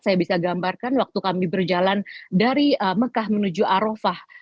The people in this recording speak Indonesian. saya bisa gambarkan waktu kami berjalan dari mekah menuju arofah